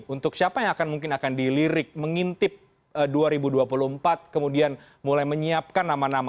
untuk siapa yang akan mungkin akan dilirik mengintip dua ribu dua puluh empat kemudian mulai menyiapkan nama nama